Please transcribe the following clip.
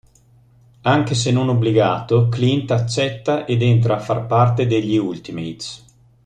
Anche se non obbligato, Clint accetta ed entra a far parte degli Ultimates.